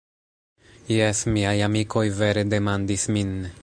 Jes, miaj amikoj vere demandis min